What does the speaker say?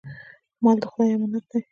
مال د خدای امانت دی.